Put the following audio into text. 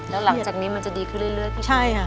แล้วหลังจากนี้มันจะดีขึ้นเรื่อยพี่ใช่ค่ะ